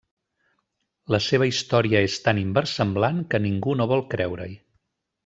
La seva història és tan inversemblant que ningú no vol creure-hi.